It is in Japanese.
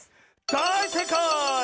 だいせいかい！